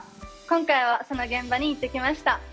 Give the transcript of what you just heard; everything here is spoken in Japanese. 今回はその現場に行ってきました。